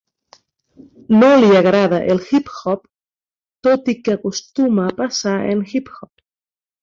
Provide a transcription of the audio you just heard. No li agrada el hip-hop, tot i que acostuma a passar en hip-hop.